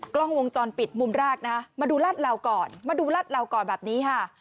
กล้องวงจรปิดมุมแรกนะมาดูลาดเหล่าก่อนมาดูรัดเหล่าก่อนแบบนี้ค่ะ